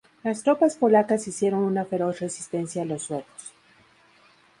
Las tropas polacas hicieron una feroz resistencia a los suecos.